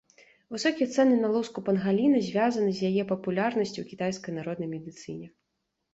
Высокія цэны на луску пангаліна звязаны з яе папулярнасцю ў кітайскай народнай медыцыне.